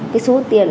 cái số tiền